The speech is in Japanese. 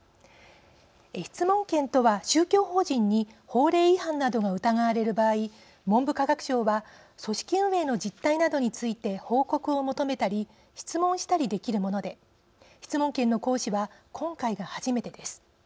質問権とは、宗教法人に法令違反などが疑われる場合文部科学省は組織運営の実態などについて報告を求めたり質問したりできるもので質問権の行使は今回が初めてです。